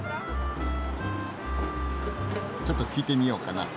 ちょっと聞いてみようかな。